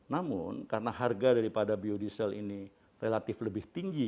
namun karena harga daripada biodiesel ini relatif lebih tinggi